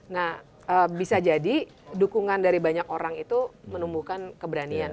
nah bisa jadi dukungan dari banyak orang itu menumbuhkan keberanian